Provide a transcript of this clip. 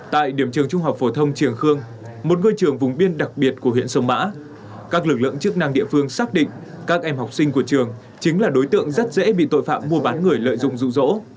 tại điểm trường trung học phổ thông trường khương một ngôi trường vùng biên đặc biệt của huyện sông mã các lực lượng chức năng địa phương xác định các em học sinh của trường chính là đối tượng rất dễ bị tội phạm mua bán người lợi dụng rụ rỗ